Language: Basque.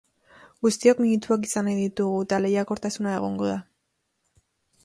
Guztiok minutuak izan nahi ditugu, eta lehiakortasuna egongo da.